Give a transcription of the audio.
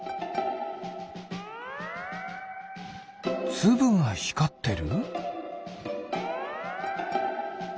つぶがひかってる？